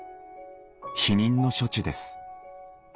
避妊の処置です